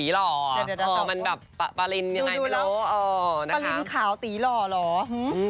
เออนะคะพะลิมข่าวตีหล่อหรออืม